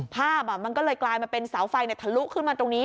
ภาพมันก็เลยกลายมาเป็นเสาไฟทะลุขึ้นมาตรงนี้